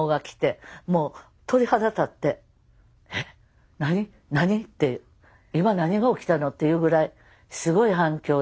えっ何何って今何が起きたのっていうぐらいすごい反響で。